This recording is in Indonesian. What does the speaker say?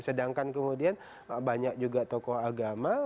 sedangkan kemudian banyak juga tokoh agama